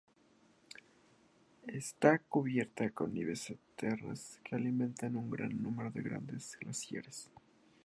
Está cubierta con nieves eternas, que alimentan un gran número de grandes glaciares.